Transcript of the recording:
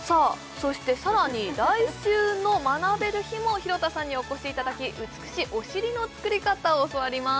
そしてさらに来週の学べる日も廣田さんにお越しいただき美しいお尻の作り方を教わります